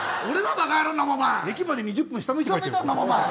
駅まで２０分下向いて帰ったよ。